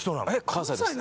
関西です